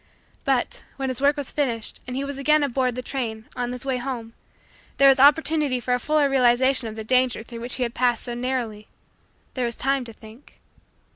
But, when his work was finished and he was again aboard the train, on his way home, there was opportunity for a fuller realization of the danger through which he had passed so narrowly there was time to think.